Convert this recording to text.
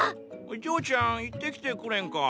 嬢ちゃん行ってきてくれンか。